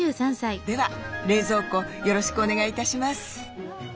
では冷蔵庫よろしくお願い致します。